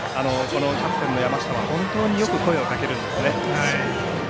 キャプテンの山下は本当によく声をかけるんですね。